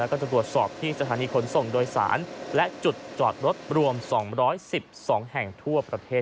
แล้วก็จะตรวจสอบที่สถานีขนส่งโดยสารและจุดจอดรถรวม๒๑๒แห่งทั่วประเทศ